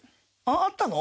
あったの？